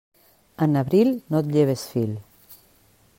En abril no et lleves fil.